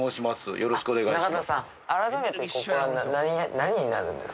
よろしくお願いします